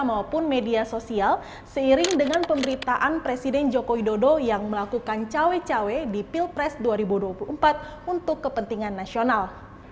maupun media sosial seiring dengan pemberitaan presiden joko widodo yang melakukan cawe cawe di pilpres dua ribu dua puluh empat untuk kepentingan nasional